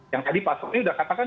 yang tadi pak soni sudah katakan